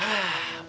oh apaan sih